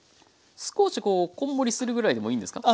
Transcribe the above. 少しこうこんもりするぐらいでもいいんですか。